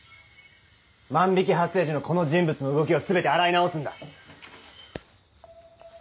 万引発生時のこの人物の動きを全て洗い直すんだ。